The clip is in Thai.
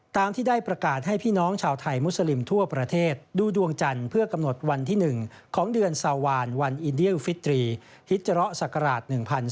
ตามที่ได้ประกาศให้พี่น้องชาวไทยมุสลิมทั่วประเทศดูดวงจันทร์เพื่อกำหนดวันที่๑ของเดือนซาวานวันอินเดียลฟิตรีฮิจาระศักราช๑๕